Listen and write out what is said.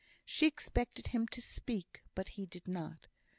She expected him to speak, but he did not.